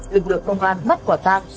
được được công an mắt quả tăng